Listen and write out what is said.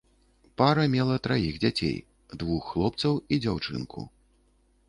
Пара мела траіх дзяцей, двух хлопцаў і дзяўчынку.